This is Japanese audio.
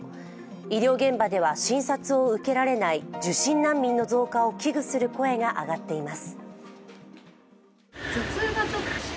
医療現場では診察を受けられない受診難民の増加を危惧する声が上がっています。